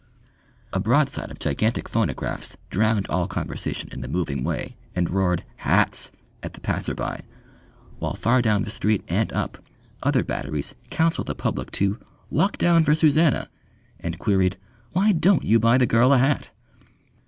A broadside of gigantic phonographs drowned all conversation in the moving way and roared "hats" at the passer by, while far down the street and up, other batteries counselled the public to "walk down for Suzannah," and queried, "Why don't you buy the girl a hat?"